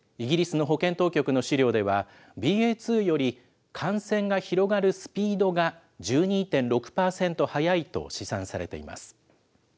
イギリスの保健当局の資料では、ＢＡ．２より感染が広がるスピードが１２．６％速いと試算されています。